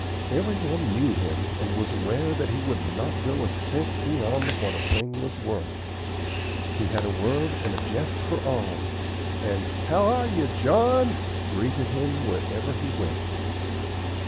Every one knew him and was aware that he would not go a cent beyond what a thing was worth. He had a word and a jest for all, and "How ARE YOU, JOHN?" greeted him wherever he went.